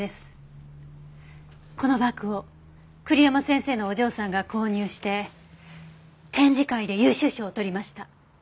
このバッグを栗山先生のお嬢さんが購入して展示会で優秀賞を取りました。